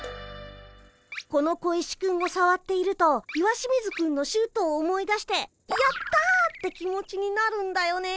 この小石くんをさわっていると石清水くんのシュートを思い出してやった！って気持ちになるんだよね。